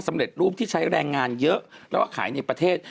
สำเร็จรูปที่ใช้แรงงานเยอะแล้วขายในประเทศ